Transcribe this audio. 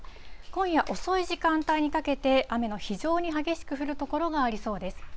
今夜遅い時間帯にかけて、雨の非常に激しく降る所がありそうです。